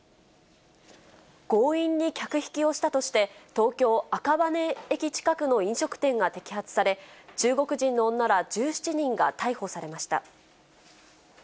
強引に客引きをしたとして、東京・赤羽駅近くの飲食店が摘発され、中国人の女ら１７人が逮捕されました。